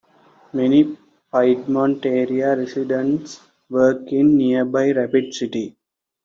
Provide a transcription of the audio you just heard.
Many Piedmont area residents work in nearby Rapid City.